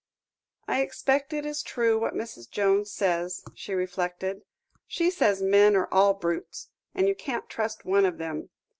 "I expect it is true what Mrs. Jones says," she reflected; "she says men are all brutes, and you can't trust one of them.